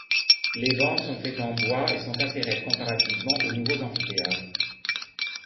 Les bancs sont faits en bois et sont assez raides comparativement aux nouveaux amphithéâtres.